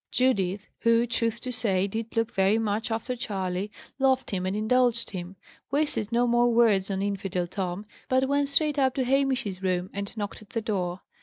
Judith who, truth to say, did look very much after Charley, loved him and indulged him wasted no more words on infidel Tom, but went straight up to Hamish's room, and knocked at the door.